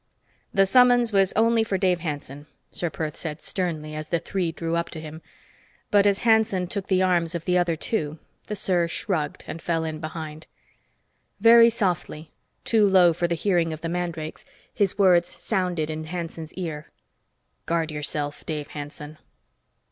"The summons was only for Dave Hanson," Ser Perth said sternly as the three drew up to him. But as Hanson took the arms of the other two, the Ser shrugged and fell in behind. Very softly, too low for the hearing of the mandrakes, his words sounded in Hanson's ear. "Guard yourself, Dave Hanson!"